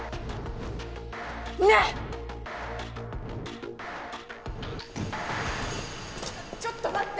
ねっ‼ちょっと待って。